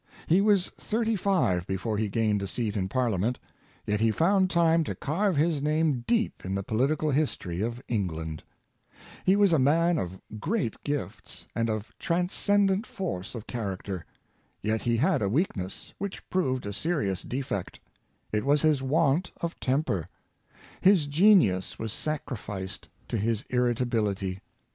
He was thirty five before he gained a seat in ParHament, yet he found time to carve his name deep in the poHtical history of England. He was a man of great gifts, and of transcendent force of char acter. Yet he had a weakness, which proved a serious defect — it was his want of temper; his genius was sac rificed to his irritabihty.